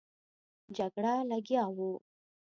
جګړه لګیا وو.